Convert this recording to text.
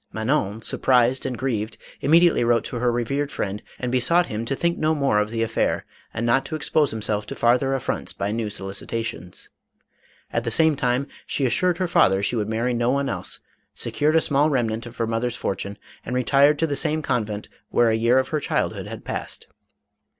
Manon surprised and grieved, immediately wrote to her revered friend and besought him to think no more of the affair, and not to expose himself to farther affronts by new solicitations. At the same time she assured her father she would marry no one else ; secured a small remnant of her mother's fortune and retired to the same convent where a }7ear of her childhood had passed.